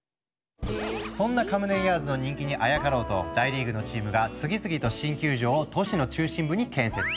そんなカムデンヤーズの人気にあやかろうと大リーグのチームが次々と新球場を都市の中心部に建設。